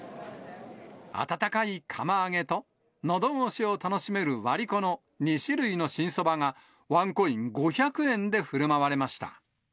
温かい釜揚げと、のどごしを楽しめる割子の２種類の新そばが、ワンコイン５００円でふるまわれました。